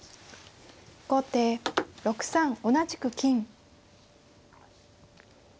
後手６三同じく金。